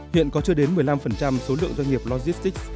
hiện có chưa đến một mươi năm số lượng doanh nghiệp logistics